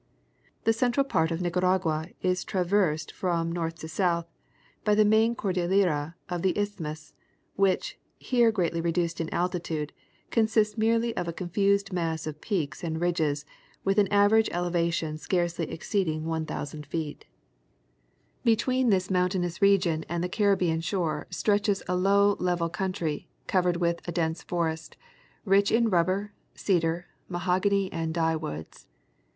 The central portion of Nicaragua is traversed, from north to south, by the main cordillera of the isthmus, which, here greatly reduced in altitude, consists merelj^ of a confused mass of peaks and ridges with an average elevation scarcely exceeding 1,000 feet. Across Nicaragua with Transit and Machete. 31 Y Between this mountainous region and the Caribbean shore stretches a low level country, covered with a dense forest, rich in rubber, cedar, mahogany and dye woods.